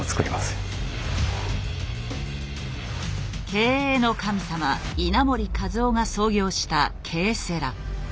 経営の神様稲盛和夫が創業したＫセラ。